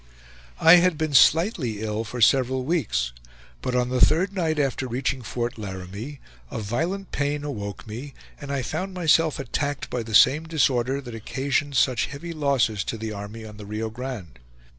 I had been slightly ill for several weeks, but on the third night after reaching Fort Laramie a violent pain awoke me, and I found myself attacked by the same disorder that occasioned such heavy losses to the army on the Rio Grande.